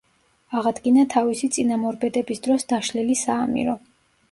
აღადგინა თავისი წინამორბედების დროს დაშლილი საამირო.